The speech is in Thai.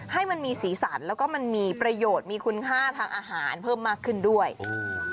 ให้มันมีสีสันแล้วก็มันมีประโยชน์มีคุณค่าทางอาหารเพิ่มมากขึ้นด้วยอืม